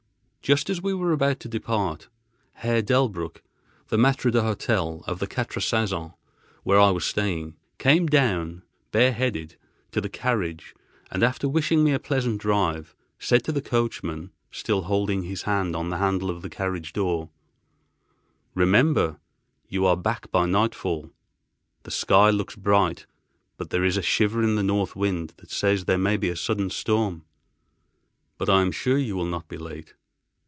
Just as we were about to depart, Herr Delbrück (the maître d'hôtel of the Quatre Saisons, where I was staying) came down, bareheaded, to the carriage and, after wishing me a pleasant drive, said to the coachman, still holding his hand on the handle of the carriage door: "Remember you are back by nightfall. The sky looks bright but there is a shiver in the north wind that says there may be a sudden storm. But I am sure you will not be late."